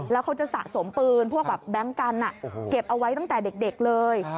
แล้วเขาจะสะสมปืนพวกแบบแบงค์กันเก็บเอาไว้ตั้งแต่เด็กเลย